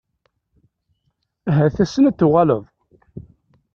Ahat ass-n ad tuɣaleḍ.